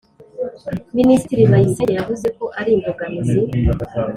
minisitiri bayisenge yavuze ko ari imbogamizi